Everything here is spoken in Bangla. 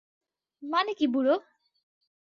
মানে কী, বুড়ো?